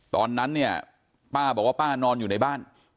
ตอนนั้นเนี่ยป้าบอกว่าป้านอนอยู่ในบ้าน